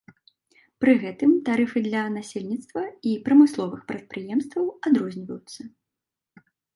Пры гэтым тарыфы для насельніцтва і прамысловых прадпрыемстваў адрозніваюцца.